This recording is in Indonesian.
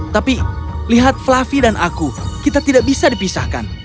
tapi lihat fluffy dan aku kita tidak bisa dipisahkan